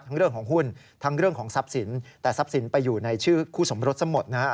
เรื่องของหุ้นทั้งเรื่องของทรัพย์สินแต่ทรัพย์สินไปอยู่ในชื่อคู่สมรสซะหมดนะฮะ